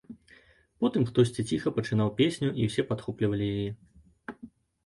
Потым хтосьці ціха пачынаў песню, і ўсе падхоплівалі яе.